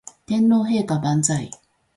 天皇陛下万歳